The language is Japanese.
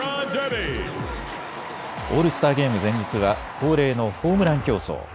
オールスターゲーム前日は恒例のホームラン競争。